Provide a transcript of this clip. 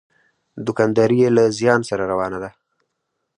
دوکانداري یې له زیان سره روانه ده.